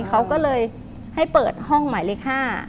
เขาก็เลยให้เปิดห้องหมายเลข๕